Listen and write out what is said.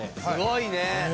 すごいね！